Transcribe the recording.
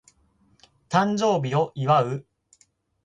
誕生日を祝う